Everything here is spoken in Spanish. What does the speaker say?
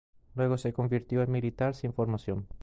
Luego se convirtió en militar sin formación.